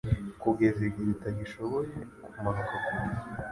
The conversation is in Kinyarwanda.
kugeza igihe utagishoboye kumanuka kure